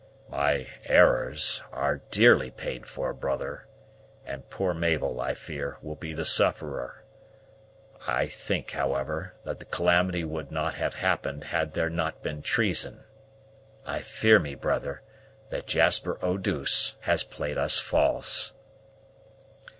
"My errors are dearly paid for, brother; and poor Mabel, I fear, will be the sufferer. I think, however, that the calamity would not have happened had there not been treason. I fear me, brother, that Jasper Eau douce has played us false."